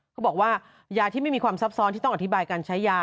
เขาบอกว่ายาที่ไม่มีความซับซ้อนที่ต้องอธิบายการใช้ยา